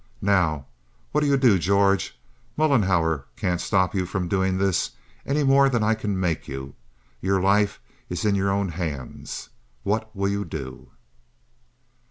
Now what'll you do, George? Mollenhauer can't stop you from doing this any more than I can make you. Your life is in your own hands. What will you do?"